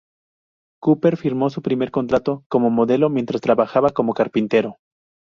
Cooper firmó su primer contrato como modelo mientras trabajaba como carpintero.